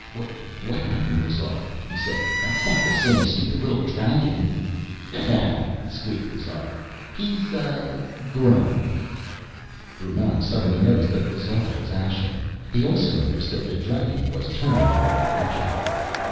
"What happened, Lazar?" he said. "That's not the same stupid little dragon." "Hah ... hah...." squeaked Lazar. "He's ... uh ... grown...." Brunei suddenly noticed that Lazar was ashen. He also noticed that the dragon was turning in their direction.